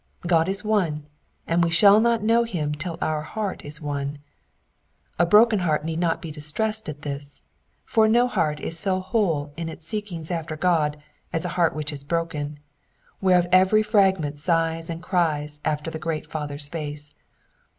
God is one, and we shall not know him till our heart is one. A broken heart need not be distressed at this, for no heart is so whole in its seekings after God as a heart which is broken, whereof every fragment sighs and cries after the great Father's face.